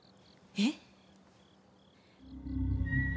えっ？